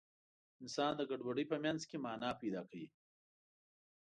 انسان د ګډوډۍ په منځ کې مانا پیدا کوي.